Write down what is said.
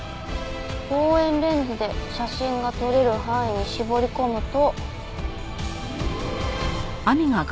望遠レンズで写真が撮れる範囲に絞り込むと。